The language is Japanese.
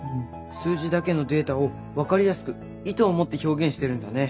数字だけのデータを分かりやすく意図を持って表現してるんだね。